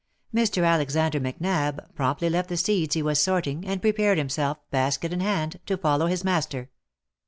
Mr. Alexander Macnab promptly left the seeds he was sorting, and prepared himself, basket in hand, to follow his master.